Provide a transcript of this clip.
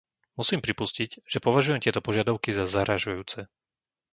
Musím pripustiť, že považujem tieto požiadavky za zarážajúce.